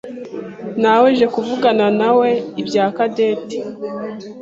Naweje kuvuganawe nawe ibya Cadette.